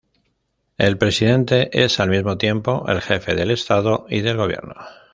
El presidente es al mismo tiempo el jefe del estado y del gobierno.